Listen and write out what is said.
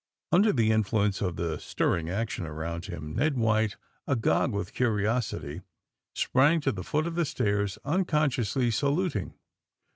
'' Under the influence of the stirring action around him, Ned White, agog with curiosity, sprang to the foot of the stairs, unconsciously saluting.